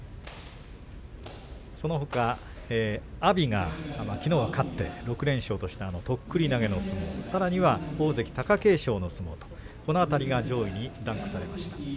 そのほか、阿炎がきのう勝って６連勝としたとっくり投げの相撲さらには大関貴景勝の相撲とこの辺りが上位にランクされました。